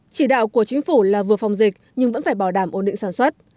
chỉ đạo của chính phủ là vừa phòng dịch nhưng vẫn phải bảo đảm ổn định sản xuất